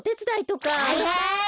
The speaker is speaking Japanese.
はいはい。